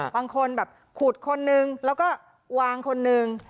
บางคนแบบขุดคนนึงแล้วก็วางคนนึง